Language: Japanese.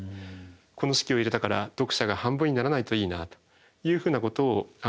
この式を入れたから読者が半分にならないといいなというふうなことを序文で書いてます。